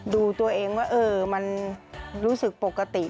ดูตัวเองว่ามันรู้สึกปกติ